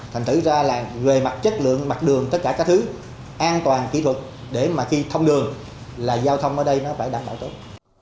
thành thử ra là về mặt chất lượng mặt đường tất cả các thứ an toàn kỹ thuật để mà khi thông đường là giao thông ở đây nó phải đảm bảo tốt